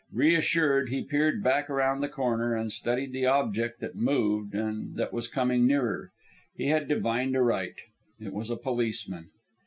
Reassured, he peered back around the corner and studied the object that moved and that was coming nearer. He had divined aright. It was a policeman.